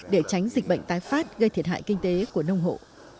để tránh dịch bệnh tái phát gây thiệt hại kinh tế của nông hộ